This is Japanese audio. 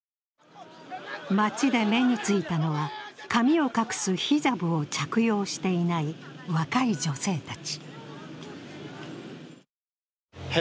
街で目についたのは、髪を隠すヒジャブを着用していない若い女性たち。